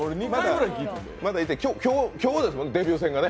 今日ですもんね、デビュー戦がね。